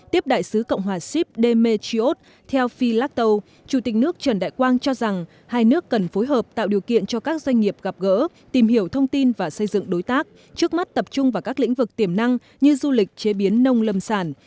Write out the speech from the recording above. tiếp đại sứ cộng hòa ship demed trios theo phi latto chủ tịch nước trần đại quang cho rằng hai nước cần phối hợp tạo điều kiện cho các doanh nghiệp gặp gỡ tìm hiểu thông tin và xây dựng đối tác trước mắt tập trung vào các lĩnh vực tiềm năng như du lịch chế biến nông lâm sản